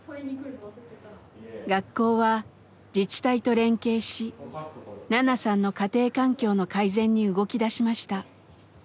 学校は自治体と連携しナナさんの家庭環境の改善に動きだしました。